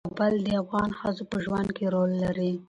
کابل د افغان ښځو په ژوند کې رول لري.